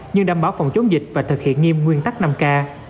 nhưng đảm bảo phòng chống dịch và thực hiện nghiêm nguyên tắc năm k